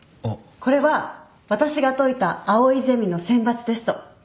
これは私が解いた藍井ゼミの選抜テスト。